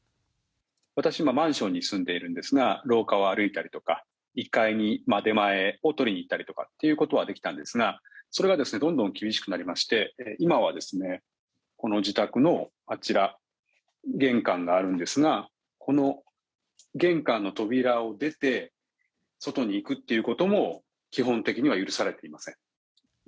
私は今、マンションに住んでいるんですが廊下を歩いたりとか１階に出前を取りに行ったりとかっていうことはできたんですがそれがどんどん厳しくなりまして今はこの自宅のあちら玄関があるんですがこの玄関の扉を出て外に出ていくということも基本的には許されていません。